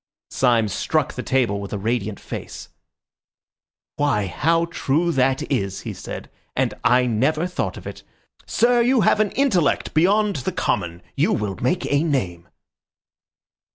Syme struck the table with a radiant face. "Why, how true that is," he said, "and I never thought of it. Sir, you have an intellect beyond the common. You will make a name."